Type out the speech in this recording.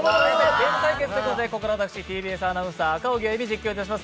ゲーム対決ということで、ここからＴＢＳアナウンサーの赤荻歩が実況いたします。